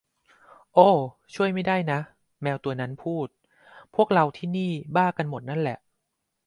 โอ้ ช่วยไม่ได้นะ แมวตัวนั้นพูด พวกเราที่นี่บ้ากันหมดนั่นแหละ